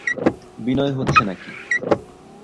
বিনয় হচ্ছে না কি?